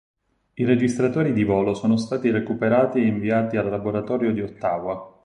I registratori di volo sono stati recuperati e inviati al laboratorio di Ottawa.